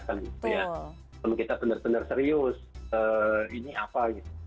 kalau kita benar benar serius ini apa